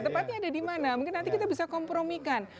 tepatnya ada di mana mungkin nanti kita bisa kompromikan